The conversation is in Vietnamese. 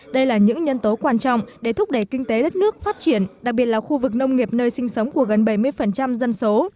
đây là những nhân tố quan trọng để thúc đẩy kinh tế đất nước phát triển đặc biệt là khu vực nông nghiệp nơi sinh sống của gần bảy mươi dân số